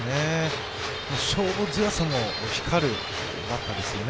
勝負強さも光るバッターですよね。